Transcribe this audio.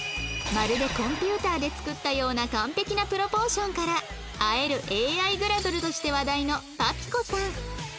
まるでコンピューターで作ったような完璧なプロポーションから「会える ＡＩ グラドル」として話題のパピコさん